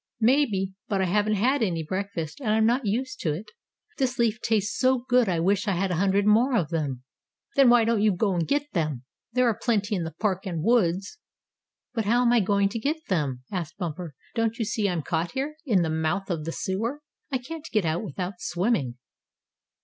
"Maybe. But I haven't had any breakfast, and I'm not used to it. This leaf tastes so good I wish I had a hundred more of them." "Then why don't you go and get them? There are plenty in the park and woods." "But how am I going to get them?" asked Bumper. "Don't you see I'm caught here in the mouth of the sewer. I can't get out without swimming."